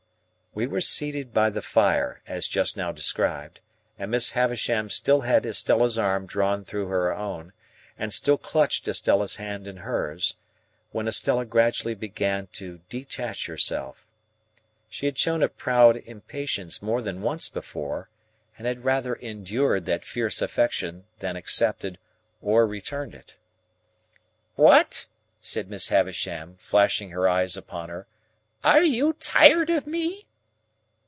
We were seated by the fire, as just now described, and Miss Havisham still had Estella's arm drawn through her own, and still clutched Estella's hand in hers, when Estella gradually began to detach herself. She had shown a proud impatience more than once before, and had rather endured that fierce affection than accepted or returned it. "What!" said Miss Havisham, flashing her eyes upon her, "are you tired of me?"